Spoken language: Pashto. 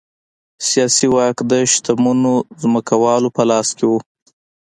سیاسي واک د شتمنو ځمکوالو په لاس کې و